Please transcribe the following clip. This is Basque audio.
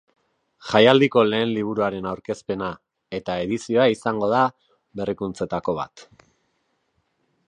Jaialdiko lehen liburuaren aurkezpena eta edizioa izango da berrikuntzetako bat.